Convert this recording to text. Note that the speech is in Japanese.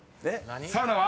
［サウナは？］